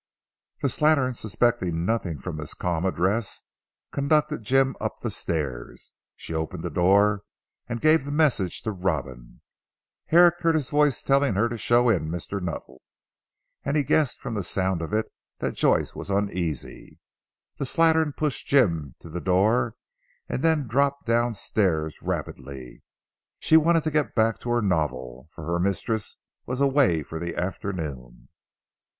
The slattern suspecting nothing from this calm address conducted Jim up the stairs. She opened a door and gave the message to Robin. Herrick heard his voice telling her to show in Mr. Nuttall, and he guessed from the sound of it that Joyce was uneasy. The slattern pushed Jim to the door and then dropped down stairs rapidly. She wanted to get back to her novel, for her mistress was away for the afternoon.